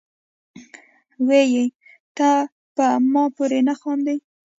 وې ئې " تۀ پۀ ما پورې نۀ خاندې،